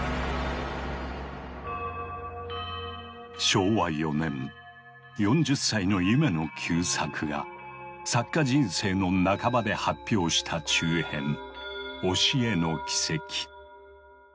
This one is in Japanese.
昭和４年４０歳の夢野久作が作家人生の半ばで発表した中編「押絵の奇蹟」。